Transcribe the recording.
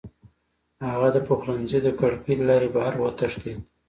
هغه د پخلنځي د کړکۍ له لارې بهر وتښتېد.